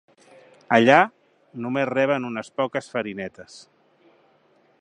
Allà, només reben unes poques farinetes.